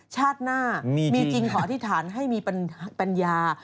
ชาติหน้ามีจริงขออธิษฐานให้มีปัญญา